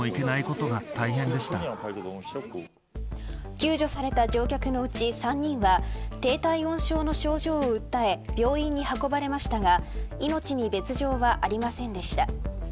救助された乗客のうち３人は低体温症の症状を訴え病院に運ばれましたが命に別条はありませんでした。